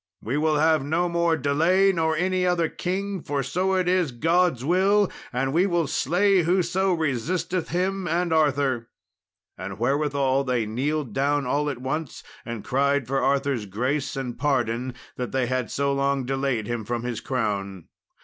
we will have no more delay, nor any other king, for so it is God's will; and we will slay whoso resisteth Him and Arthur;" and wherewithal they kneeled down all at once, and cried for Arthur's grace and pardon that they had so long delayed him from his crown.